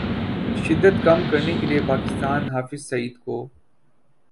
شدت کم کرنے کے لیے پاکستان حافظ سعید کو